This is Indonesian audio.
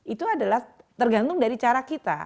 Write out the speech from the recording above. itu adalah tergantung dari cara kita